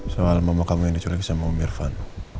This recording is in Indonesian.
soal mama kamu yang diculik sama om irfan